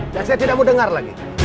saya tidak mau dengar lagi